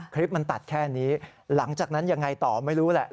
คลิปมันตัดแค่นี้หลังจากนั้นยังไงต่อไม่รู้แหละ